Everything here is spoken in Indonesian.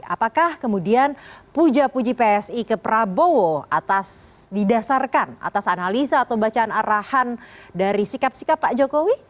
apakah kemudian puja puji psi ke prabowo atas didasarkan atas analisa atau bacaan arahan dari sikap sikap pak jokowi